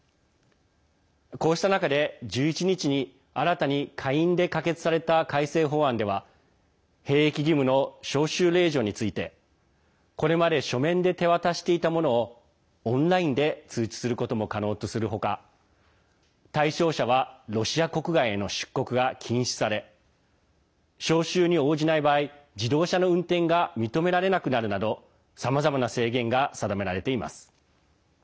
こうした中で１１日に新たに下院で可決された改正法案では兵役義務の招集令状についてこれまで書面で手渡していたものをオンラインで通知することも可能とする他対象者はロシア国外への出国が禁止され招集に応じない場合自動車の運転が認められなくなるなどさまざまな制限が定められています。